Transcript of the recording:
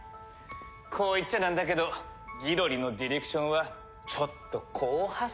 こう言っちゃなんだけどギロリのディレクションはちょっと硬派すぎたよねえ。